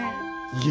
いや？